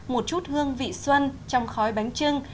một chút hương vị xuân trong khói bánh trưng